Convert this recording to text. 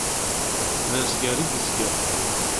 D azgar i yezger.